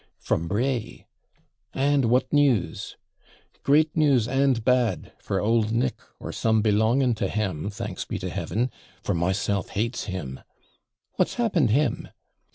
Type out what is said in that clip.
'From Bray.' 'And what news?' 'GREAT news and bad, for old Nick, or some belonging to him, thanks be to Heaven! for myself hates him.' 'What's happened him?'